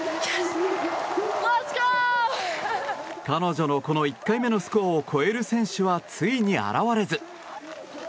彼女のこの１回目のスコアを超える選手はついに現れず。